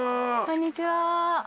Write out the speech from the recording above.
こんにちは。